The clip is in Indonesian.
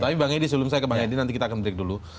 tapi bang edi sebelum saya ke bang edi nanti kita akan break dulu